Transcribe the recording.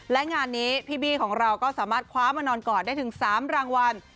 และงานนี้พี่บี้ของเราก็สามารถคว้ามานอนกอดได้ถึง๓รางวัล